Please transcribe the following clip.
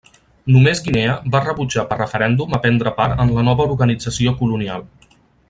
Només Guinea va rebutjar per referèndum a prendre part en la nova organització colonial.